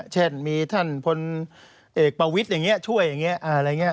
เช่นมีท่านพลเอกประวิทย์อย่างนี้ช่วยอย่างนี้อะไรอย่างนี้